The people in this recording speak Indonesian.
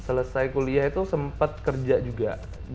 selesai kuliah itu sempat kerja juga